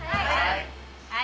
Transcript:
はい。